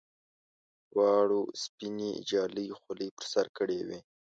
دواړو سپینې جالۍ خولۍ پر سر کړې وې.